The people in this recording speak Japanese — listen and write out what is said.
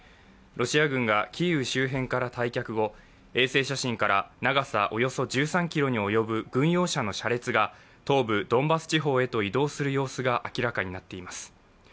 ロシア軍がキーウ周辺から退却後衛星写真から長さおよそ１３ｋｍに及ぶ軍用車の車列が東部ドンバス地方へと移動する様子が明らかになっています。